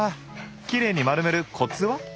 きれいに丸めるコツは？